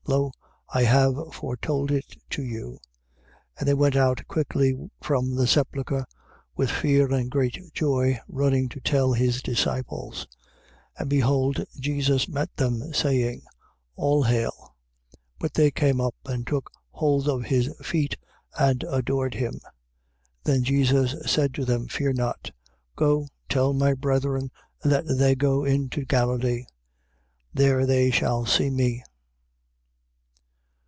Lo, I have foretold it to you. 28:8. And they went out quickly from the sepulchre with fear and great joy, running to tell his disciples. 28:9. And behold, Jesus met them, saying: All hail. But they came up and took hold of his feet and adored him. 28:10. Then Jesus said to them: Fear not. Go, tell my brethren that they go into Galilee. There they shall see me.